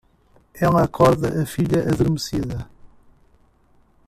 Ela acorda a filha adormecida